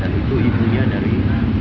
dan itu ibunya dari